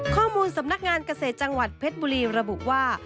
ข้อมูลสำนักงานเกษตรจังหวัดเพชรบุรีระบุว่า